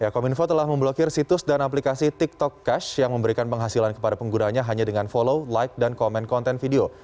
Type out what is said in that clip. kominfo telah memblokir situs dan aplikasi tiktok cash yang memberikan penghasilan kepada penggunanya hanya dengan follow like dan komen konten video